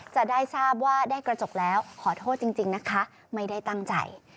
จะได้ทราบว่าได้กระจกแล้วขอโทษจริงนะคะไม่ได้ตั้งใจ